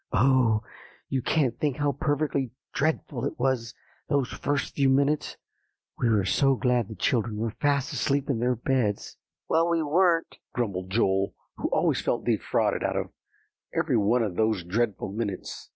Oh! you can't think how perfectly dreadful it was those first few minutes; we were so glad the children were fast asleep in their beds." "Well, we weren't," grumbled Joel, who always felt defrauded out of every one of those dreadful minutes.